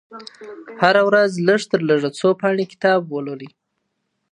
هره ورځ لږترلږه څو پاڼې کتاب ولولئ.